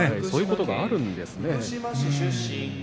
そういうこともあるんですね。